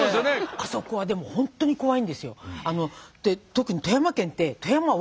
あそこはでも本当に怖いんですよ。